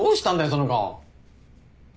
その顔。